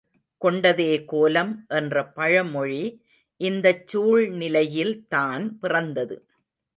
கொண்டதே கோலம் என்ற பழமொழி இந்தச் சூழ்நிலையில் தான் பிறந்தது.